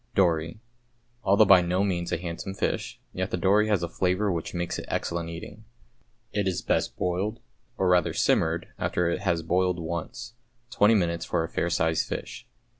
=Dory.= Although by no means a handsome fish, yet the dory has a flavour which makes it excellent eating. It is best boiled, or rather simmered, after it has boiled once, twenty minutes for a fair sized fish.